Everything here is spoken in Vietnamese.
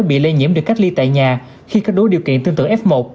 bị lây nhiễm được cách ly tại nhà khi các đối điều kiện tương tự f một